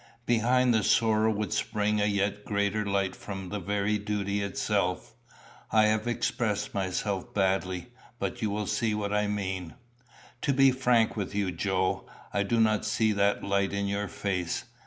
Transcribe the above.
Behind the sorrow would spring a yet greater light from the very duty itself. I have expressed myself badly, but you will see what I mean. To be frank with you, Joe, I do not see that light in your face.